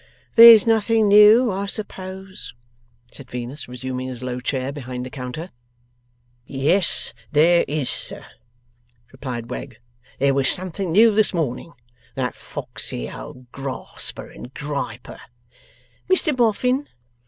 'There's nothing new, I suppose?' said Venus, resuming his low chair behind the counter. 'Yes there is, sir,' replied Wegg; 'there was something new this morning. That foxey old grasper and griper ' 'Mr Boffin?